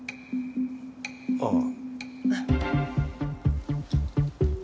ああ。